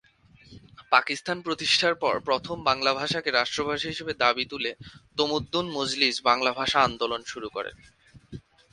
পাকিস্তান প্রতিষ্ঠার পর প্রথম বাংলা ভাষাকে রাষ্ট্রভাষা হিসেবে দাবি তুলে তমদ্দুন মজলিস বাংলা ভাষা আন্দোলন শুরু করে।